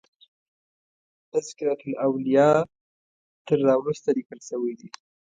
تذکرة الاولیاء تر را وروسته لیکل شوی دی.